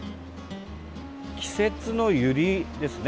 季節のユリですね。